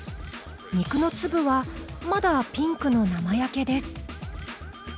肉の粒はまだピンクの生焼けです。